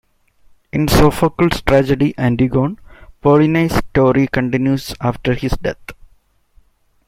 In Sophocles' tragedy "Antigone", Polynices' story continues after his death.